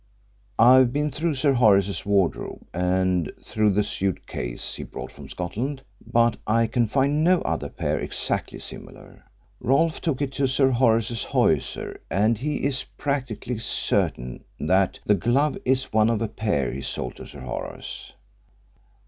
I've been through Sir Horace's wardrobe and through the suit case he brought from Scotland, but I can find no other pair exactly similar. Rolfe took it to Sir Horace's hosier, and he is practically certain that the glove is one of a pair he sold to Sir Horace."